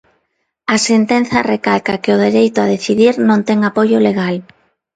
A sentenza recalca que o dereito a decidir non ten apoio legal.